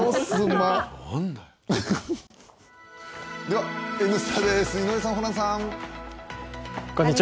では「Ｎスタ」です井上さん、ホランさん。